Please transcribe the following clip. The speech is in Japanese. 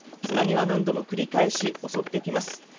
津波は何度も繰り返し襲ってきます。